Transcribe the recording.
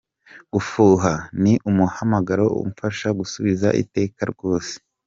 Gufuha ni umuhamagaro umfasha gusubiza iteka rwose.